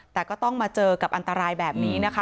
แต่ก็ต้องมาเจอกับอันตรายแบบนี้นะคะ